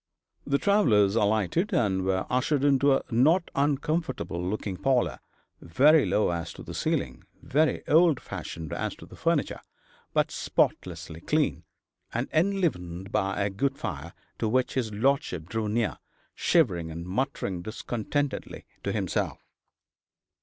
The travellers alighted, and were ushered into a not uncomfortable looking parlour; very low as to the ceiling, very old fashioned as to the furniture, but spotlessly clean, and enlivened by a good fire, to which his lordship drew near, shivering and muttering discontentedly to himself.